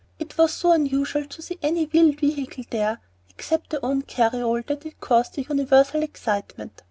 It was so unusual to see any wheeled vehicle there, except their own carryall, that it caused a universal excitement.